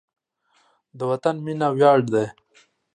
د وطن مینه ویاړ دی.